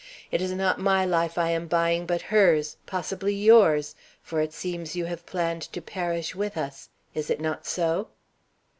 "It is not my life I am buying, but hers, possibly yours; for it seems you have planned to perish with us. Is it not so?"